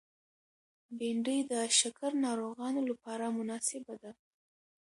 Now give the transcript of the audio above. بېنډۍ د شکر ناروغانو لپاره مناسبه ده